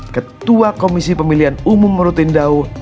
ketua komisi pemilihan umum rutindau